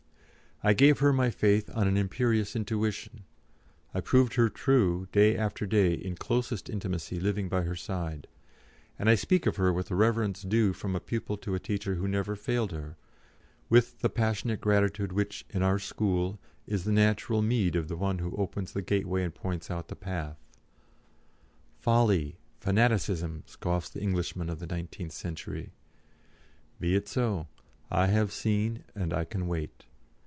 I gave her my faith on an imperious intuition, I proved her true day after day in closest intimacy living by her side; and I speak of her with the reverence due from a pupil to a teacher who never failed her, with the passionate gratitude which, in our School, is the natural meed of the one who opens the gateway and points out the path. "Folly! fanaticism!" scoffs the Englishman of the nineteenth century. Be it so. I have seen, and I can wait.